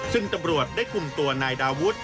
ซึ่งตำรวจได้คุมตัวนายดาวุฒิ